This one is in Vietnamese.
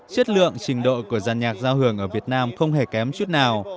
chất lượng trình độ của dàn nhạc giao hưởng ở việt nam không hề kém chút nào